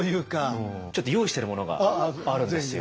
ちょっと用意してるものがあるんですよ。